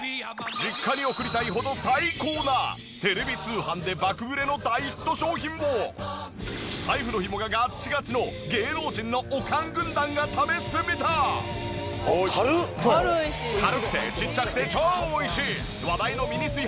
実家に送りたいほど最高なテレビ通販で爆売れの大ヒット商品を財布のひもがガッチガチの軽くてちっちゃくて超美味しい！